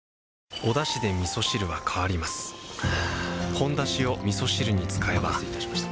「ほんだし」をみそ汁に使えばお待たせいたしました。